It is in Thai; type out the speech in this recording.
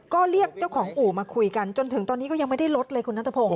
ก็เรียกเจ้าของอู่มาคุยกันจนถึงตอนนี้ก็ยังไม่ได้ลดเลยคุณนัทพงศ